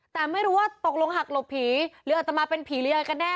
แต่ไม่รู้ว่าตกลงหักหลบผีหรืออัตมาเป็นผีหรืออะไรกันแน่